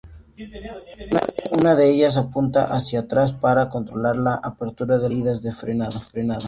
Una de ellas apunta hacia atrás para controlar la apertura del paracaídas de frenado.